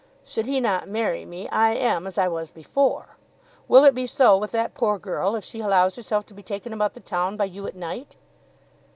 Should he not marry me, I am as I was before. Will it be so with that poor girl if she allows herself to be taken about the town by you at night?"